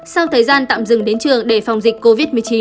sau thời gian tạm dừng đến trường để phòng dịch covid một mươi chín